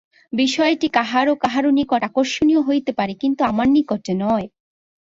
বিষয়টি কাহারও কাহারও নিকট আকর্ষণীয় হইতে পারে, কিন্তু আমার নিকটে নয়।